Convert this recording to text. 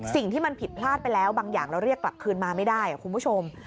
สิ่งที่มันผิดพลาดไปแล้วบางอย่างเราเรียกกลับคืนมาไม่ได้คุณผู้ชม